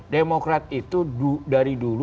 demokrat itu dari dulu